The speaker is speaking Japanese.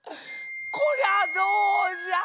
こりゃどうじゃ。